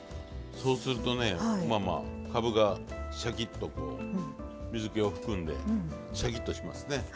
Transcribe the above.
そうするとねまあまあかぶがシャキッとこう水けを含んでシャキッとしますね。